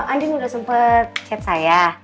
andin udah sempet chat saya